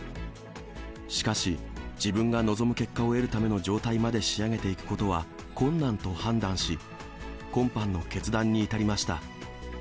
しかし、自分が望む結果を得るための状態まで仕上げていくことは困難と判断し、今般の決断に至りました。